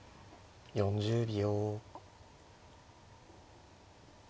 ４０秒。